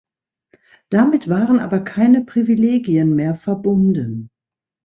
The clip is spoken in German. Damit waren aber keine Privilegien mehr verbunden.